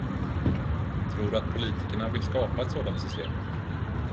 Tror du att politikerna vill skapa ett sådant system?